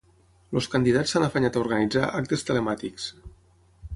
Els candidats s’han afanyat a organitzar actes telemàtics.